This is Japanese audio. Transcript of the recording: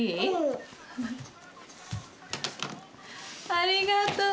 ありがとう。